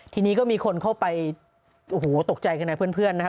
ทีนี้ก็มีคนเข้าไปโอ้โหตกใจกันนะเพื่อนนะฮะ